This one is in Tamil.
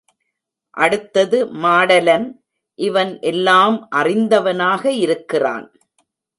அடுத்தது மாடலன், இவன் எல்லாம் அறிந்தவனாக இருக்கிறான்.